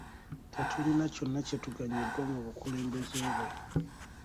Tetulina kyonna kye tuganyuddwa mu bukulembeze bwe.